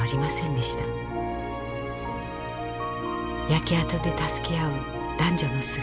焼け跡で助け合う男女の姿。